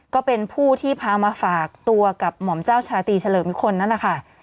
ก็เป็นผู้ที่พามาฝากตัวกับหม่อมเจ้าชาตรีเฉลิมวิคลนั่นแหละค่ะ